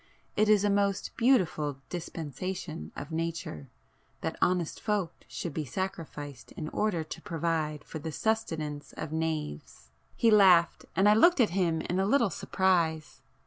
It is a most beautiful dispensation of nature,—that honest folk should be sacrificed in order to provide for the sustenance of knaves!" He laughed, and I looked at him in a little surprise.